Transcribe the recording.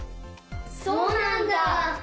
そうなんだ。